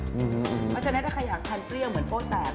เพราะฉะนั้นถ้าใครอยากทานเปรี้ยวเหมือนโป้แตก